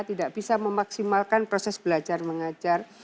tidak bisa memaksimalkan proses belajar mengajar